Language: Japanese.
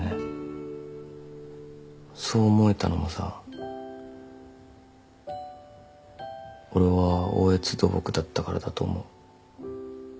そう思えたのもさ俺は大悦土木だったからだと思う。